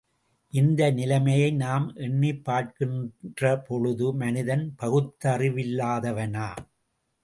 இந்த நிலைமையை நாம் எண்ணிப்பார்க்கின்றபொழுது, மனிதன் பகுத்தறிவில்லாதவனா?